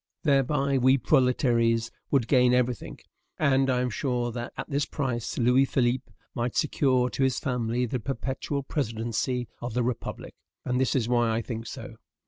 Thereby we proletaires would gain every thing; and I am sure that, at this price, Louis Philippe might secure to his family the perpetual presidency of the republic. And this is why I think so.